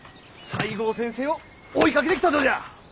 西郷先生を追いかけてきたとじゃ！